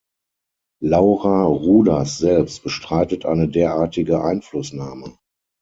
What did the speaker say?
Laura Rudas selbst bestreitet eine derartige Einflussnahme.